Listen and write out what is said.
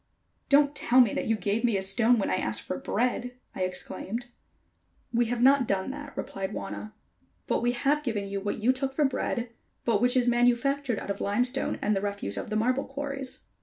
"Don't tell me that you gave me a stone when I asked for bread!" I exclaimed. "We have not done that," replied Wauna; "but we have given you what you took for bread, but which is manufactured out of limestone and the refuse of the marble quarries."